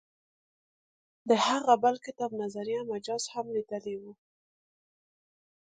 د هغه بل کتاب نظریه مجاز هم لیدلی و.